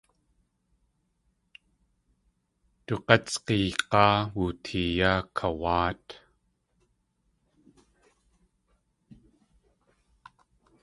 Du g̲átsig̲áa wootee yá kawáat.